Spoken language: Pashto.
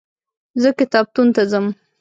زه کتابتون ته ځم.